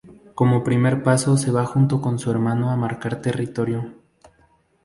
Como primer paso se va junto con su hermano a marcar territorio.